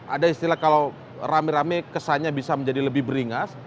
ada istilah kalau rame rame kesannya bisa menjadi lebih beringas